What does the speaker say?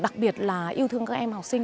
đặc biệt là yêu thương các em học sinh